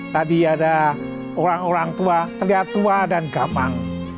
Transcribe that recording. tadi ada orang orang tua terlihat tua dan gamang